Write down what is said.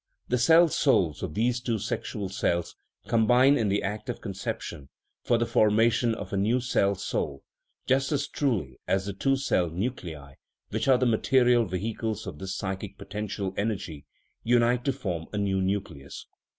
The cell souls of these two sexual cells combine in the act of conception for the formation of a new cell soul, just as truly as the two cell nuclei, which are the material vehicles of this psychic potential en ergy, unite to form a new nucleus.